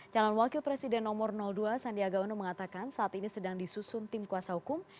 calon wakil presiden nomor dua sandiaga uno mengatakan saat ini sedang disusun tim kuasa hukum